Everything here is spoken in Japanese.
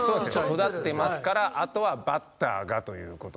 育ってますからあとはバッターがという事で。